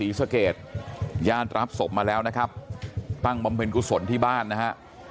ศรีสะเกดญาติรับศพมาแล้วนะครับตั้งบำเพ็ญกุศลที่บ้านนะฮะ